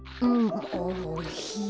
おいしい。